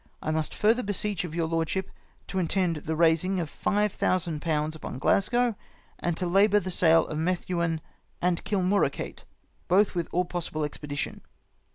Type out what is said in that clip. " I must further beseech of your lordship to intend the raising five thousand pounds upon Glasgow, and to labour the sale of Methuen and Killmorocate, both with all possible expedition.